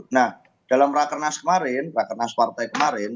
nah dalam rakernas kemarin rakernas partai kemarin